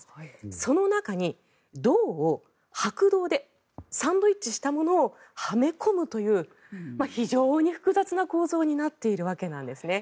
その中に銅を白銅でサンドイッチしたものをはめ込むという非常に複雑な構造になっているわけなんですね。